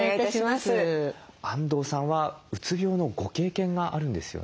安藤さんはうつ病のご経験があるんですよね？